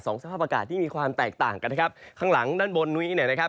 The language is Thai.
สภาพอากาศที่มีความแตกต่างกันนะครับข้างหลังด้านบนนี้เนี่ยนะครับ